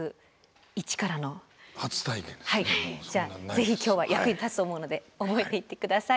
ぜひ今日は役に立つと思うので覚えていって下さい。